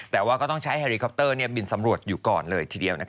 แต่ว่าก็ต้องใช้แฮรีคอปเตอร์บินสำรวจอยู่ก่อนเลยทีเดียว